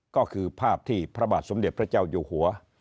ก็คือภาพที่พระบาทสมเด็จพระเจ้าอยู่หัว